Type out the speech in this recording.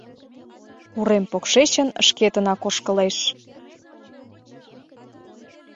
Урем покшечын шкетынак ошкылеш.